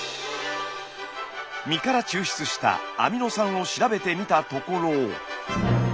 身から抽出したアミノ酸を調べてみたところ。